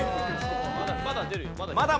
まだ出るよまだ。